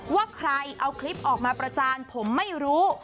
ว่าใครเอาคลิปออกมาประจานผมไม่รู้